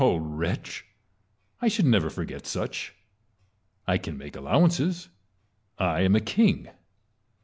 Dull wretch ! I should never forget such. I can make allowances; I am a king.